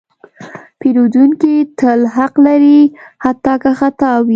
پیرودونکی تل حق لري، حتی که خطا وي.